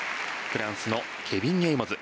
フランスのケビン・エイモズ。